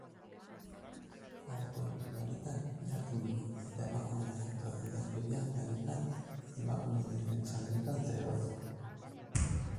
Abokatu lanetan jardun du eta emakumeen kontrako indarkeria gaietan emakumeen defentsa lanetan trebatua.